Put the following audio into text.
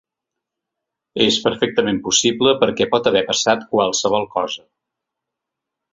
És perfectament possible, perquè pot haver passat qualsevol cosa.